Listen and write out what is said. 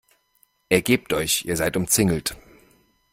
Ergebt euch, ihr seid umzingelt!